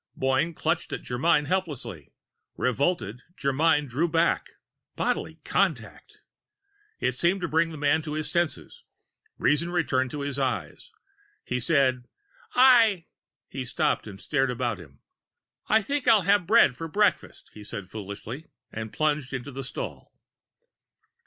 Boyne clutched at Germyn helplessly. Revolted, Germyn drew back bodily contact! It seemed to bring the man to his senses. Reason returned to his eyes. He said: "I " He stopped, stared about him. "I think I'll have bread for breakfast," he said foolishly, and plunged into the stall.